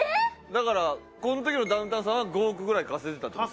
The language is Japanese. だからこの時のダウンタウンさんは５億ぐらい稼いでたって事。